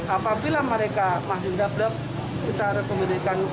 apabila mereka masih berdabrak